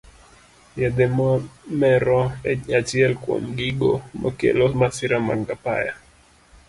Yedhe mamero e achiel kuom gigo makelo masira mag apaya